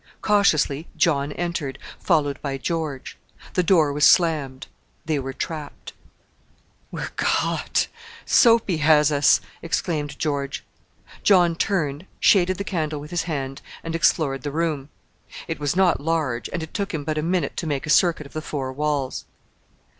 Cautiously John entered, followed by George. The door was slammed; they were trapped. "We're caught! Soapy has us," exclaimed George. John turned, shaded the candle with his hand, and explored the room. It was not large, and it took him but a minute to make a circuit of the four walls.